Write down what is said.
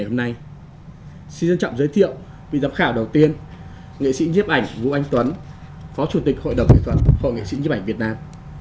xin trân trọng giới thiệu vị giám khảo đầu tiên nghệ sĩ nhiếp ảnh vũ anh tuấn phó chủ tịch hội đồng nghệ thuật hội nghệ sĩ nhiếp ảnh việt nam